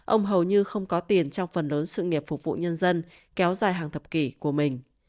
ông hầu như không có tiền trong phần lớn sự nghiệp phục vụ nhân dân kéo dài hàng thập kỷ của mình